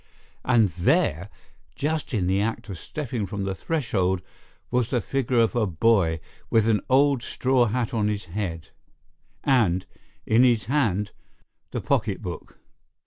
And there, just in the act of stepping from the threshold, was the figure of a boy with an old straw hat on his head and—in his hand—the pocketbook!